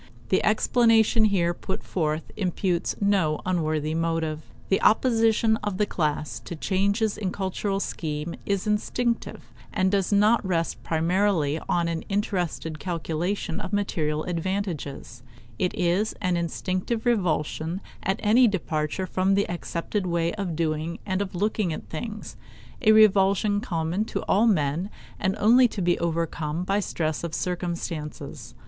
The explanation here put forward imputes no unworthy motive. The opposition of the class to changes in the cultural scheme is instinctive, and does not rest primarily on an interested calculation of material advantages; it is an instinctive revulsion at any departure from the accepted way of doing and of looking at things a revulsion common to all men and only to be overcome by stress of circumstances.